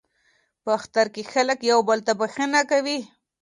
په اختر کې خلک یو بل ته بخښنه کوي.